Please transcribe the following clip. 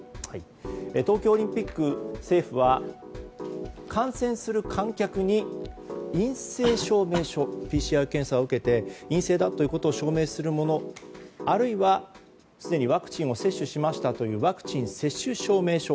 東京オリンピック政府は観戦する観客に陰性証明書、ＰＣＲ検査を受けて陰性だということを証明するものあるいは、すでにワクチンを接種しましたというワクチン接種証明書